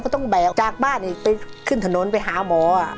ต้องแบกออกจากบ้านอีกไปขึ้นถนนไปหาหมอ